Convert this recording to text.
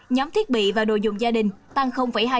nhóm thiết bị và đồ dùng gia đình tăng hai mươi